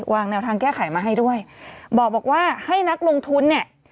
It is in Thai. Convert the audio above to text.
วางแนวทางแก้ไขมาให้ด้วยบอกว่าให้นักลงทุนเนี่ย